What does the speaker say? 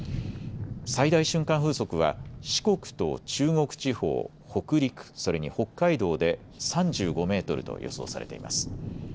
最大瞬間風速は四国と中国地方、北陸、それに北海道で３５メートルと予想されています。